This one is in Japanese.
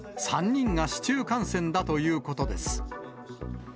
３人が市中感染だということです。